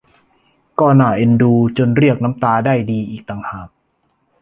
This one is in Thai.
ก็น่าเอ็นดูจนเรียกน้ำตาได้ดีอีกต่างหาก